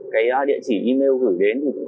cái địa chỉ email gửi điện thoại của tôi là